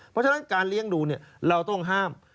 เพราะฉะนั้นการเลี้ยงดูเราต้องห้าม